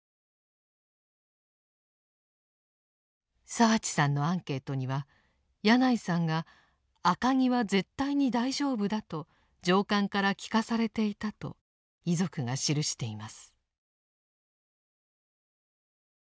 澤地さんのアンケートには矢内さんが「赤城は絶対に大丈夫だ」と上官から聞かされていたと遺族が記しています。